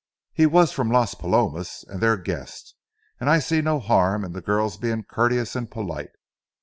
"He was from Las Palomas and their guest, and I see no harm in the girls being courteous and polite.